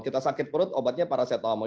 kita sakit perut obatnya paracetamol